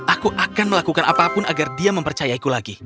aku akan melakukan apapun agar dia mempercayaiku lagi